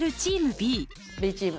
Ｂチーム。